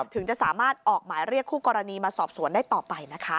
ถึงจะสามารถออกหมายเรียกคู่กรณีมาสอบสวนได้ต่อไปนะคะ